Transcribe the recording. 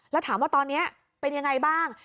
แล้วถามว่าตอนนี้เป็นยังไงบ้าง